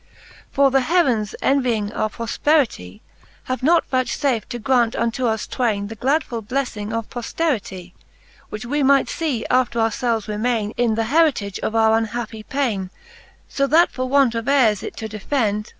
XXXI. For th'heavens envying our prolperitie. Have not vouchlaft to graunt unto us twaine The gladfull blefling of pofteritie. Which we might fee after our felves remaine. In th'heritage of our unhappie paine : So that for want of heires it to defend.